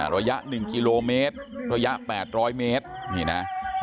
ระยะ๑กิโลเมตรระยะ๘๐๐เมตรนี่นะ